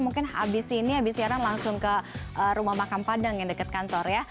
mungkin habis ini habis siaran langsung ke rumah makam padang yang dekat kantor ya